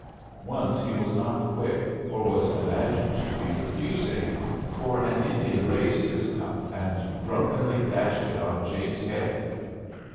Once he was not quick, or was imagined to be refusing, for an Indian raised his cup and drunkenly dashed it on Jake's head.